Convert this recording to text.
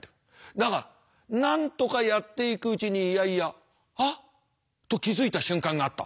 だがなんとかやっていくうちにいやいや「あっ」と気付いた瞬間があった。